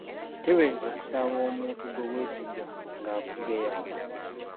Teebereza okusanga omuntu gwe weesiga nga akugeya!